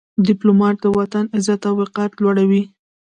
ډيپلومات د وطن عزت او وقار لوړوي.